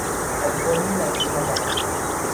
Ekkor mindenki haza megy.